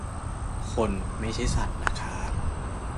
คนไม่ใช่สัตว์นะครับ